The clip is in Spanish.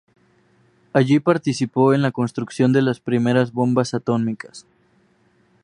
Allí participó en la construcción de las primeras bombas atómicas.